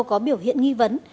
có biểu hiện nghi vấn